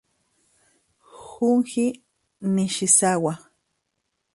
Junji Nishizawa